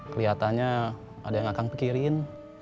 kelihatannya ada yang akan pikirin